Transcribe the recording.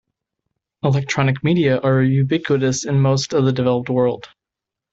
Electronic media are ubiquitous in most of the developed world.